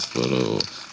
sepuluh tambah lima